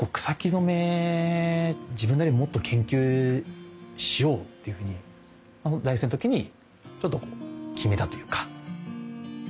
染め自分なりにもっと研究しようというふうに大学生の時にちょっとこう決めたというか。